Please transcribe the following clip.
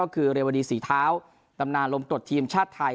ก็คือเรวดีศรีเท้าตำนานลมกรดทีมชาติไทย